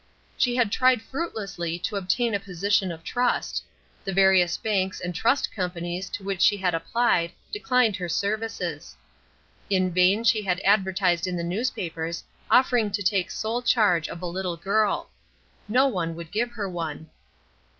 She had tried fruitlessly to obtain a position of trust. The various banks and trust companies to which she had applied declined her services. In vain she had advertised in the newspapers offering to take sole charge of a little girl. No one would give her one.